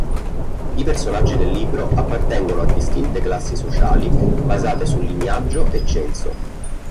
I personaggi del libro appartengono a distinte classi sociali basate su lignaggio e censo.